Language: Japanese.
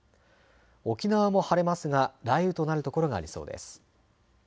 沖縄も晴れますが雷雨となる所がありそうです。